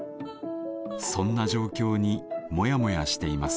そんな状況にモヤモヤしています。